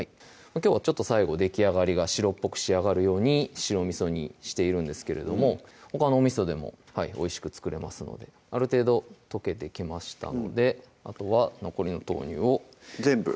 きょうは最後できあがりが白っぽく仕上がるように白みそにしているんですけれどもほかのおみそでもおいしく作れますのである程度溶けてきましたのであとは残りの豆乳を全部？